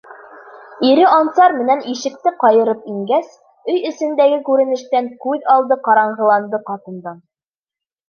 Ире Ансар менән ишекте ҡайырып ингәс, өй эсендәге күренештән күҙ алды ҡараңғыланды ҡатындың.